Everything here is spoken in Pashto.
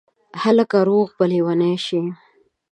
هلکه روغ به لېونی شې